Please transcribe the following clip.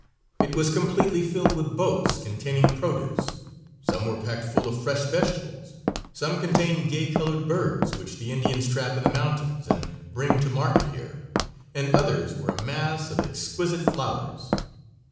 It was completely filled with boats containing produce. Some were packed full of fresh vegetables, some contained gay colored birds, which the Indians trap in the mountains and bring to market here, and others were a mass of exquisite flowers.